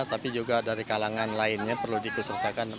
tapi juga dari kalangan lainnya perlu diikutsertakan